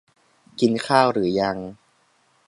กินข้าวหรือยัง